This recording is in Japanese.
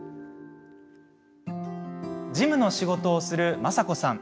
事務の仕事をする、まさこさん。